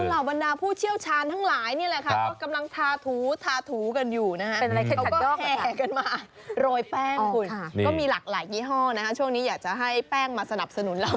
เอาล่ะวันดาผู้เชี่ยวชาญทั้งหลายนี่แหละค่ะกำลังทาถูกันอยู่นะครับ